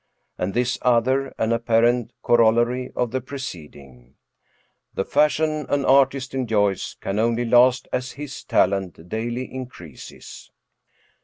And this other, an apparent corollary of the preceding: The FASHION an artist enjoys can only last as HIS talent daily increases.